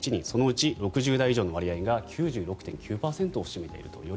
そのうち６０代以上の割合が９６．９％を占めていると。